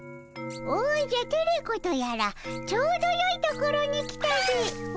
おじゃテレ子とやらちょうどよいところに来たでおじゃ。